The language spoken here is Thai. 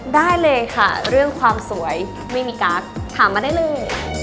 ได้เลยค่ะเรื่องความสวยไม่มีการ์ดถามมาได้เลย